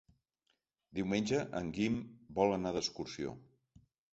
Diumenge en Guim vol anar d'excursió.